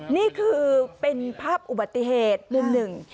นี่คือเป็นภาพอุบัติเหตุมุมหนึ่ง